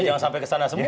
jangan sampai kesana semua